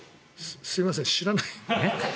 すいません、知らない。